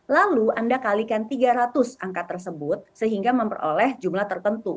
lalu anda kalikan tiga ratus angka tersebut sehingga memperoleh jumlah tertentu